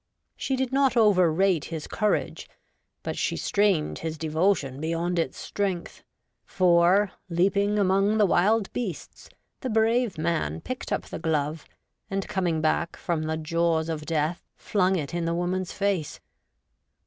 She did not overrate his courage, but she strained his devotion beyond its strength ; for, leaping among the wild beasts, the brave man picked up the glove, and, coming back from the jaws of death, flung it in the woman's face.